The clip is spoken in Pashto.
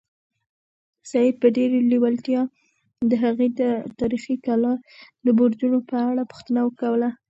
سعید په ډېرې لېوالتیا د هغې تاریخي کلا د برجونو په اړه پوښتنه کوله.